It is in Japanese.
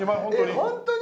本当に？